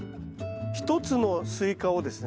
一つのスイカをですね